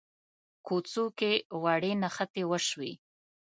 کوڅو کې وړې نښتې وشوې.